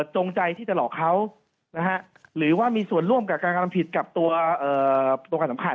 จงใจที่จะหลอกเขาหรือว่ามีส่วนร่วมกับการกระทำผิดกับตัวการสำคัญ